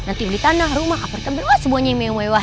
nanti beli tanah rumah apartemen wah sebuahnya yang mewah mewah